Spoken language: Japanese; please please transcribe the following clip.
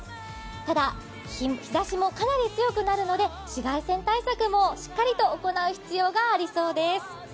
ただ、日ざしもかなり強くなるので紫外線対策もしっかりと行う必要がありそうです。